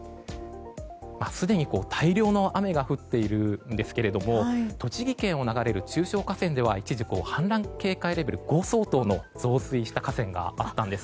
すでに大量の雨が降っているんですけども栃木県を流れる中小河川では一時、氾濫警戒レベル５以上と増水した河川があったんです。